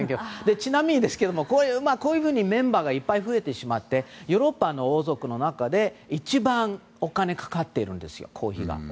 ちなみにこういうふうにメンバーがいっぱい増えてしまってヨーロッパの王族の中で一番お金、公費がかかっているんですよ。